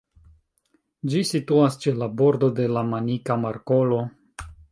Ĝi situas ĉe la bordo de la Manika Markolo.